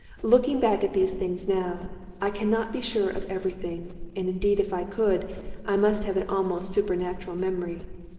Looking back at these things now, I can not be sure of every thing; and indeed if I could, I must have an almost supernatural memory.